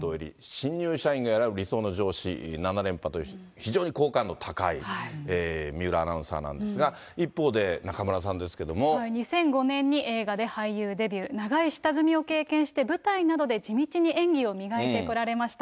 新入社員が選ぶ理想の上司７連覇と、非常に好感度の高い水卜アナウンサーなんですが、一方で、中村さ２００５年に映画で俳優デビュー、長い下積みを経験して、舞台などで地道に演技を磨いてこられました。